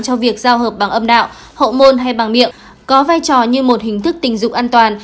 cho việc giao hợp bằng âm đạo hậu môn hay bằng miệng có vai trò như một hình thức tình dục an toàn